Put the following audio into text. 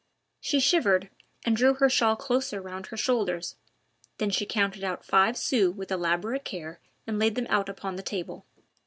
She shivered and drew her shawl closer round her shoulders, then she counted out five sous with elaborate care and laid them out upon the table.